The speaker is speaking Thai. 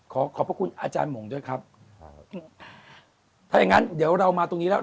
ขอขอบพระคุณอาจารย์หมงด้วยครับครับถ้าอย่างงั้นเดี๋ยวเรามาตรงนี้แล้ว